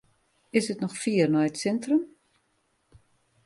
Is it noch fier nei it sintrum?